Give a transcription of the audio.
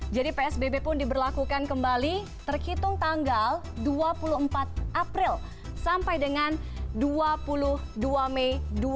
jadi psbb pun diberlakukan kembali terhitung tanggal dua puluh empat april sampai dengan dua puluh dua mei dua ribu dua puluh